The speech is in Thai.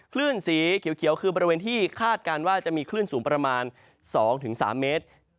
คลื่นสีเขียวคือบริเวณที่คาดการณ์ว่าจะมีคลื่นสูงประมาณ๒๓เมตร